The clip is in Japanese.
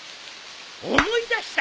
思い出した。